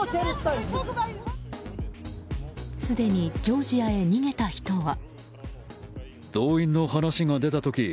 すでにジョージアへ逃げた人は。